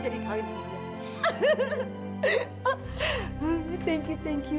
terima kasih aku sayang kamu